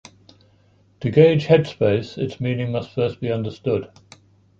To gauge 'headspace' its meaning must first be understood.